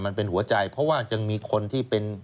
มันเป็นหัวใจเพราะว่ายังมีคนที่เป็น